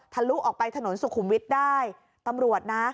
ลุออกไปถนนสุขุมวิทย์ได้ตำรวจนะ